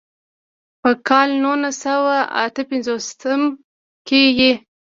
پۀ کال نولس سوه اتۀ پنځوستم کښې ئې